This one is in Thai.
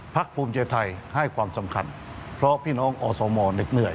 พรรคภูมิใจไทยให้ความสำคัญเพราะพี่น้องอสมเหนือย